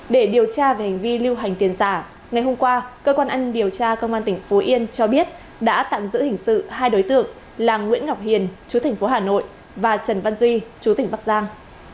để điều tra về hành vi lưu hành tiền giả ngày hôm qua cơ quan anh điều tra công an tỉnh phú yên cho biết đã tạm giữ hình sự hai đối tượng là nguyễn ngọc hiền chú thành phố hà nội và trần văn duy chú tỉnh bắc giang